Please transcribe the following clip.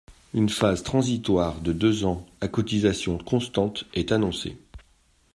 Une phase transitoire de deux ans, à cotisations constantes, est annoncée.